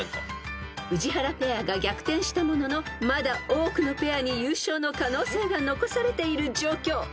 ［宇治原ペアが逆転したもののまだ多くのペアに優勝の可能性が残されている状況］